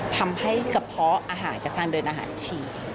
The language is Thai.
ทำให้กระเพาะอาหารกับทางเดินอาหารฉีก